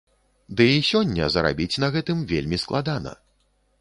Ды і сёння зарабіць на гэтым вельмі складана.